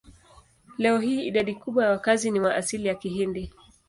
Leo hii idadi kubwa ya wakazi ni wa asili ya Kihindi.